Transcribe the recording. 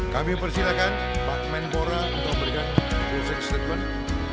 kami persilahkan pak menpora untuk memberikan music statement